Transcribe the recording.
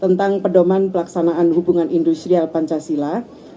tentang pedoman pelaksanaan hubungan industrial pancasila